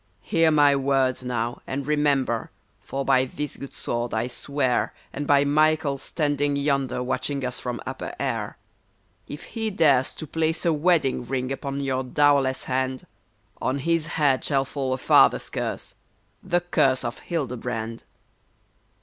'''Hear my words now, and remember! for by this good sword I swear, And by Michael standing yonder, watching us from upper air, "' If he dares to place a wedding ring upon your dowerless hand, On his head shall fall a father's curse — the curse of Hilde brand